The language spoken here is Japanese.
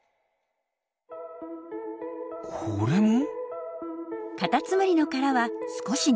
これも？